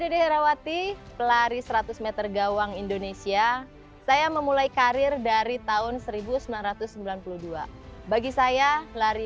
dede herawati pelari seratus m gawang indonesia saya memulai karir dari tahun seribu sembilan ratus sembilan puluh dua bagi saya lari